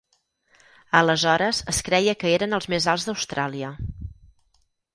Aleshores es creia que eren els més alts d'Austràlia.